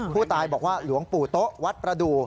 ผู้ตายบอกว่าหลวงปู่โต๊ะวัดประดูก